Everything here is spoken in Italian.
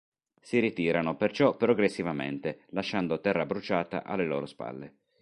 Si ritirano perciò progressivamente, lasciando terra bruciata alle loro spalle.